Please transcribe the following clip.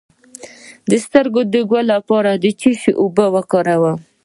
د سترګو د ګل لپاره د څه شي اوبه وکاروم؟